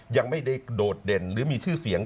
ยังไม่ได้โดดเด่นหรือมีชื่อเสียง